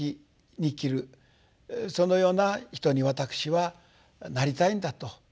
そのような人に私はなりたいんだと。